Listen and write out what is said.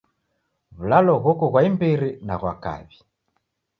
W'ulalo ghoko ghwa imbiri na ghwa kaw'i.